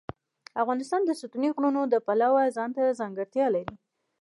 افغانستان د ستوني غرونه د پلوه ځانته ځانګړتیا لري.